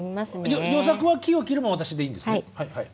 「与作は木をきる」も私でいいんですね？